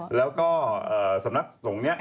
แล้วก็สำนักสงมันเนี่ย